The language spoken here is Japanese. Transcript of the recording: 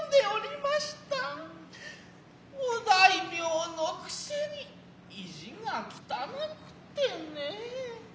お大名の癖に意地が汚くつてね